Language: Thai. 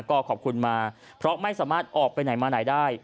ก็ขอบคุณมาเพราะไม่สามารถออกไปไหนมาไหนได้